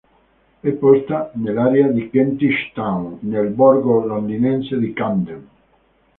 È posta nell'area di Kentish Town nel borgo londinese di Camden.